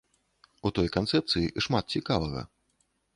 У той канцэпцыі шмат цікавага.